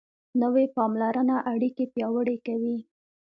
نوې پاملرنه اړیکې پیاوړې کوي